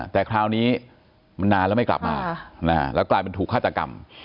แต่คราวนี้มันนานแล้วไม่กลับมาแล้วกลายเป็นถูกฆาตกรรม